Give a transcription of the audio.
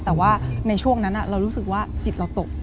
แต่ว่าในช่วงนั้นเรารู้สึกว่าจิตเราตก